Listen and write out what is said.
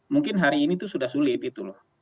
mungkin hari ini tuh sudah sulit gitu loh